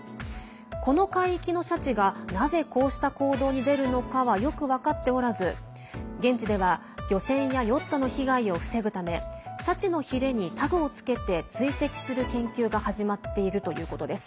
この海域のシャチがなぜこうした行動に出るのかはよく分かっておらず現地では漁船やヨットの被害を防ぐためシャチのひれにタグをつけて追跡する研究が始まっているということです。